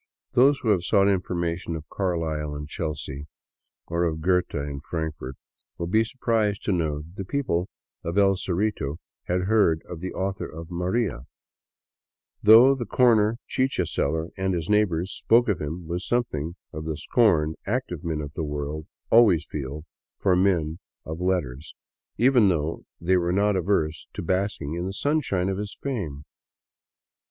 Those who have sought information of Carlyle in Chelsea, or of Goethe in Frankfurt will be surprised to know that the people of El Cerrito had heard of the author of " Maria," though the corner chicha seller and his neighbors spoke of him with something of the scorn active men of the world always feel for mere men of letters, even though they were not averse to basking in the sunshine of his fame.